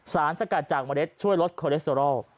สารสกัดจากเมล็ดช่วยลดคอเลสเตอรอล